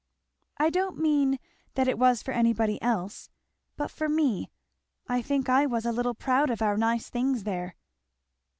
"I don't mean that it was for anybody else, but for me. I think I was a little proud of our nice things there."